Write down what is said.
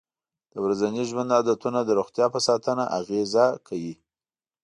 د ورځني ژوند عادتونه د روغتیا په ساتنه اغېزه کوي.